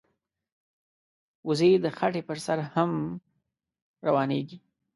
وزې د خټې پر سر هم روانېږي